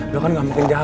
lo kan gak mungkin jalan